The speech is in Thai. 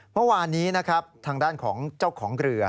เมื่อวานนี้นะครับทางด้านของเจ้าของเรือ